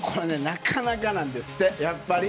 なかなかなんですってやっぱり。